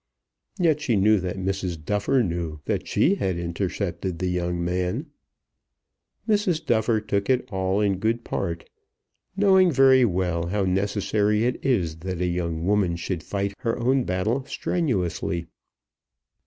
Yet she knew that Mrs. Duffer knew that she had intercepted the young man. Mrs. Duffer took it all in good part, knowing very well how necessary it is that a young woman should fight her own battle strenuously.